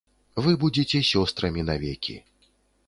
Вы будзеце сёстрамі навекі.